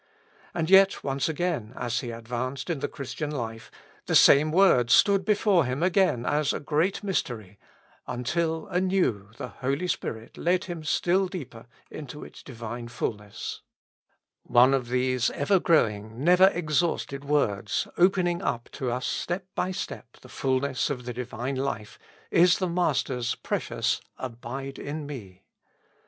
And yet once again, as he advanced in the Christian life, the same word stood before him again as a great mystery, until anew the Holy Spirit led him still deeper into its Divine fulness. One of these ever growing, never exhausted words, opening up to us step by step the fulness of the Divine life, is the i66 With Christ in the School of Prayer. Master's precious "Abide in me."